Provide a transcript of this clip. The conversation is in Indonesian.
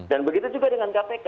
dan begitu juga dengan kpk